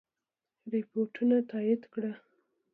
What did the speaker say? رپوټونو تایید کړه.